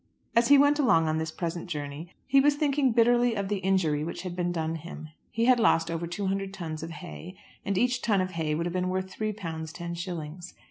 As he went along on this present journey he was thinking bitterly of the injury which had been done him. He had lost over two hundred tons of hay, and each ton of hay would have been worth three pounds ten shillings.